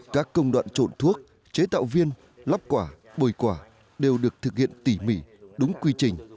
các công đoạn trộn thuốc chế tạo viên lắp quả bồi quả đều được thực hiện tỉ mỉ đúng quy trình